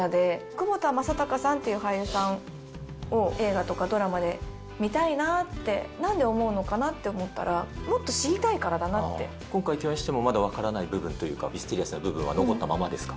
窪田正孝さんっていう俳優さんを、映画とかドラマで見たいなって、なんで思うのかなって思ったら、今回、共演してもまだ分からない部分というか、ミステリアスな部分は残ったままですか。